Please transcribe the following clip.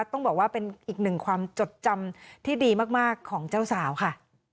ต้องบอกว่าเป็นอีกหนึ่งความจดจำที่ดีมากของเจ้าสาวค่ะ